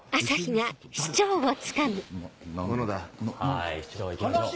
はい市長行きましょう。